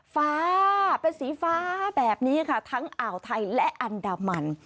ฟ้าเป็นสีฟ้าแบบนี้ค่ะทั้งอ่าวไทยและอันดามัน